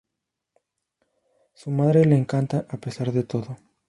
Su madre le encanta a pesar de todo.